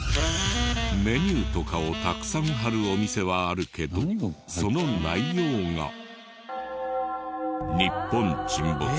メニューとかをたくさん貼るお店はあるけどその内容が。